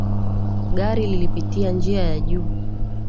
Gari lilipitia njia ya juu